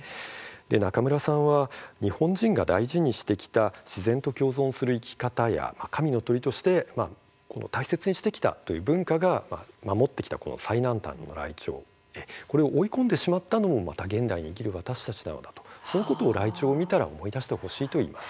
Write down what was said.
中村さんは日本人が大事にしてきた自然と共存する生き方や神の鳥として大切にしてきた文化が守ってきた最南端のライチョウこれを追い込んでしまったのも現代に生きる私たちなんだとそのことをライチョウを見たら思い出してほしいと言います。